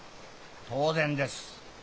当然です。